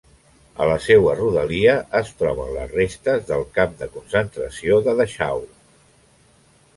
A la seua rodalia es troben les restes del camp de concentració de Dachau.